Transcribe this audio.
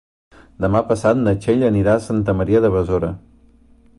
Demà passat na Txell anirà a Santa Maria de Besora.